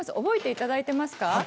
覚えていただいてますか？